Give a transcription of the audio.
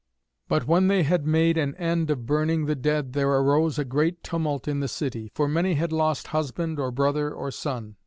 But when they had made an end of burning the dead there arose a great tumult in the city, for many had lost husband, or brother, or son.